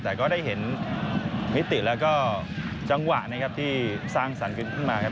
แต่ก็ได้เห็นมิติแล้วก็จังหวะนะครับที่สร้างสรรค์กันขึ้นมาครับ